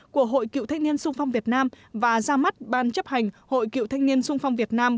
của hội cựu thanh niên sung phong việt nam và ra mắt ban chấp hành hội cựu thanh niên sung phong việt nam